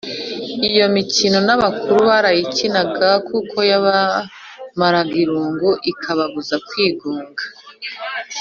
iyo mikino n’abakuru barayikinaga kuko yabamaraga irungu ikababuza kwigunga.